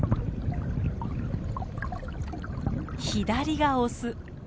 左がオス。